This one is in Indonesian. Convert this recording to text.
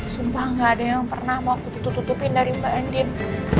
sumpah gak ada yang pernah mau aku tutup tutupin dari mbak engine